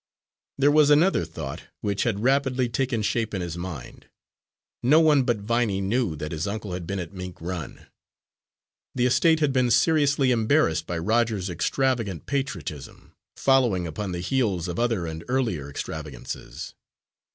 There was another thought, which had rapidly taken shape in his mind. No one but Viney knew that his uncle had been at Mink Run. The estate had been seriously embarrassed by Roger's extravagant patriotism, following upon the heels of other and earlier extravagances.